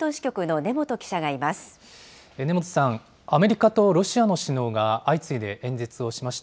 根本さん、アメリカとロシアの首脳が相次いで演説をしました。